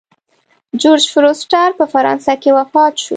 جورج فورسټر په فرانسه کې وفات شو.